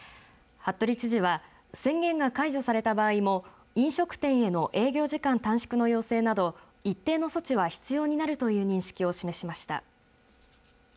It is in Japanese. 服部知事は宣言が解除された場合も飲食店への営業時間短縮の要請など一定の措置は必要になるという認識を示しました。